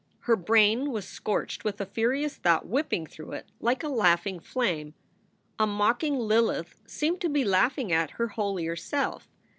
Her brain was scorched with a furious thought whipping through it like a laughing flame. A mocking Lilith seemed to be laughing at her holier self.